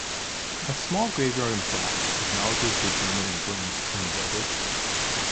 A small graveyard and plaque acknowledges the German influence in the village.